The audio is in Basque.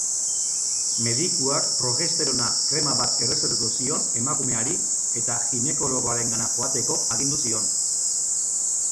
Medikuak progesterona krema bat errezetatu zion emakumeari, eta ginekologoarengana joateko agindu zion.